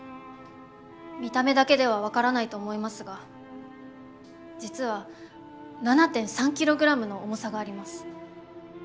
見た目だけでは分からないと思いますが実は７．３キログラムの重さがあります。